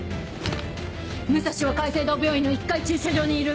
武蔵は界星堂病院の１階駐車場にいる！